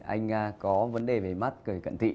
anh có vấn đề về mắt cởi cận thị